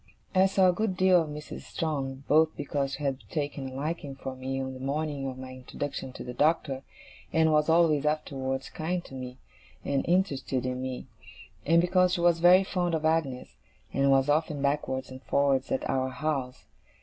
I saw a good deal of Mrs. Strong, both because she had taken a liking for me on the morning of my introduction to the Doctor, and was always afterwards kind to me, and interested in me; and because she was very fond of Agnes, and was often backwards and forwards at our house.